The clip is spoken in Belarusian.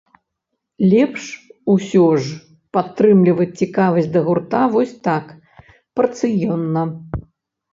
Лепш усё ж падтрымліваць цікавасць да гурта вось так, парцыённа.